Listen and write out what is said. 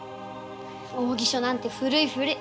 奥義書なんて古い古い。